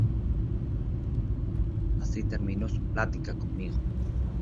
así terminó su plática conmigo.